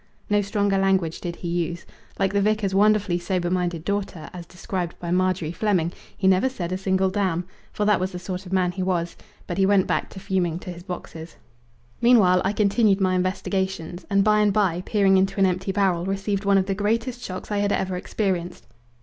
No stronger language did he use. Like the vicar's wonderfully sober minded daughter, as described by Marjory Fleming, "he never said a single dam," for that was the sort of man he was, but he went back fuming to his boxes. Meanwhile I continued my investigations, and by and by, peering into an empty barrel received one of the greatest shocks I had ever experienced.